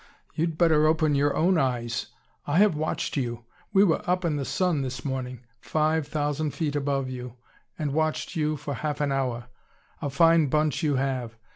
"Humph! You'd better open your own eyes! I have watched you. We were up in the sun this morning five thousand feet above you and watched you for half an hour. A fine bunch you have!